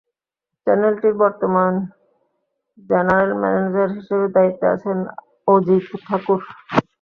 চ্যানেলটির বর্তমান general manager হিসেবে দায়িত্বে আছেন অজিত ঠাকুর।